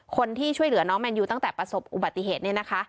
คนที่ช่วยเหลือน้องแมนยูตั้งแต่ประสบอุบัติเหตุเนี่ยนะคะ